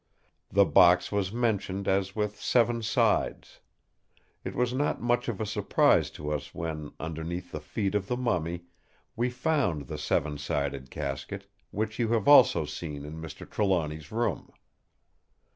The box was mentioned as with seven sides. It was not much of a surprise to us when, underneath the feet of the mummy, we found the seven sided casket, which you have also seen in Mr. Trelawny's room.